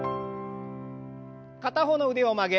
片方の腕を曲げ